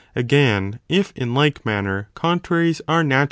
Again, if in like manner contraries are nature 2.